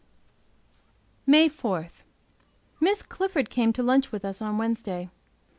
MAY 4 Miss CLIFFORD came to lunch with us on Wednesday.